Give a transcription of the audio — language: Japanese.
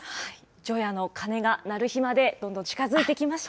除夜の鐘が鳴る日まで、どんどん近づいてきました。